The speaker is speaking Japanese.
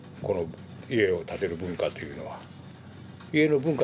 この家を建てる文化というのは。